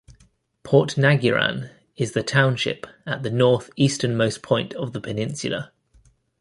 Portnaguran is the township at the north-easternmost point of the peninsula.